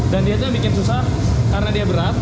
dan dia itu yang bikin susah karena dia berat